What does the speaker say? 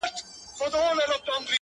رپا د سونډو دي زما قبر ته جنډۍ جوړه كړه~